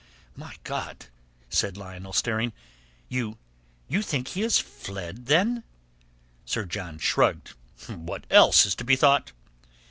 "My God!" said Lionel, staring. "You... you think he is fled, then?" Sir John shrugged. "What else is to be thought?"